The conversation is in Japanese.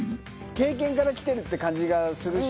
経験からきてるっていう感じがするし。